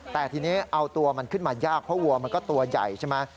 แต่ทีนี้เอาตัวมันขึ้นมายากเพราะวัวมันก็ตัวใหญ่ใช่ไหม